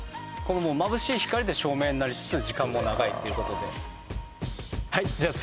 まぶしい光で照明になりつつ時間も長いっていうことではいじゃあ次